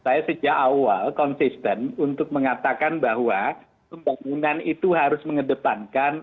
saya sejak awal konsisten untuk mengatakan bahwa pembangunan itu harus mengedepankan